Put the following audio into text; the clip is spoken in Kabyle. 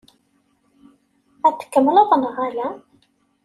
Ad t-tkemmleḍ neɣ ala?